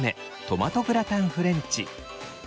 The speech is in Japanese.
トマトグラタンフレンチ。